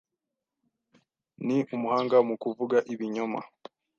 Ni umuhanga mu kuvuga ibinyoma